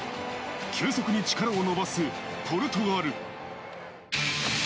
急速に力を伸ばすポルトガル。